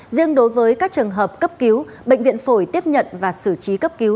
riêng đối với các trường hợp cấp cứu bệnh viện phổi tiếp nhận và xử trí cấp cứu